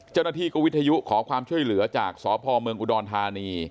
เจ้าหน้าที่ก็วิทยุขอความช่วยเหลือจากสพเมืองอุดรธานี